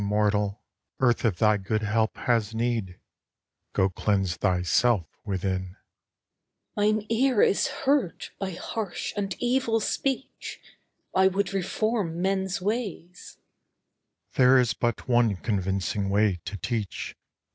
MORTAL Mine ear is hurt by harsh and evil speech. I would reform men's ways. SPIRIT There is but one convincing way to teach.